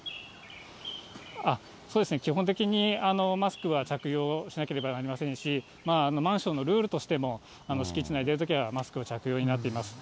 そうですね、基本的にマスクは着用しなければなりませんし、マンションのルールとしても、敷地内出るときはマスクを着用になってます。